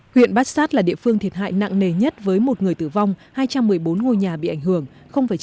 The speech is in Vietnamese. huyện bát sát là địa phương thiệt hại nặng nề nhất với một người tử vong hai trăm một mươi bốn ngôi nhà bị ảnh hưởng